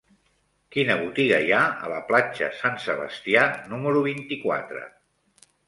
Quina botiga hi ha a la platja Sant Sebastià número vint-i-quatre?